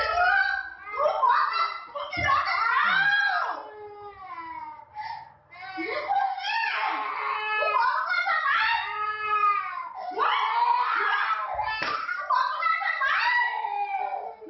เกรียดเหรอมองกับพุกพี่รักษาจริง